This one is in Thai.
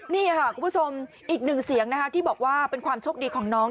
นี่ค่ะคุณผู้ชมอีกหนึ่งเสียงนะคะที่บอกว่าเป็นความโชคดีของน้อง